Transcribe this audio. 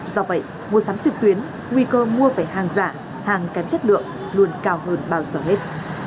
do vậy mua sắm trực tuyến nguy cơ mua phải hàng giả hàng kém chất lượng luôn cao hơn bao giờ hết